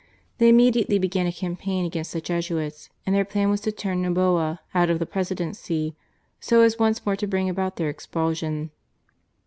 They immediately began a campaign against the Jesuits, and their plan was to turn Noboa out of the Presidency, so as once more to bring about their expulsion.